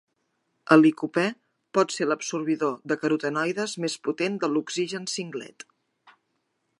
El licopè pot ser l'absorbidor de carotenoides més potent de l'oxigen singlet.